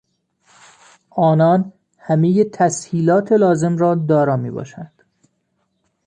آنان همهی تسهیلات لازم را دارا میباشند.